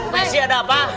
mesti ada apa